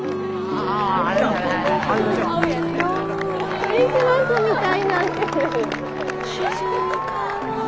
クリスマスみたいになってる。